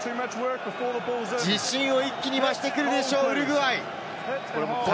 自信を一気に増してくるでしょうウルグアイ。